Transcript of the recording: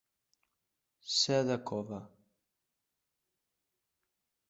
Ser de cove.